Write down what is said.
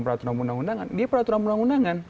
peraturan undang undangan dia peraturan undang undangan